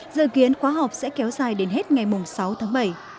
dự kiến khóa học sẽ kéo dài đến hết ngày sáu tháng bảy